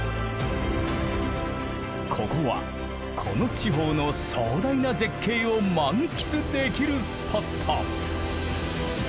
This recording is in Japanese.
ここはこの地方の壮大な絶景を満喫できるスポット！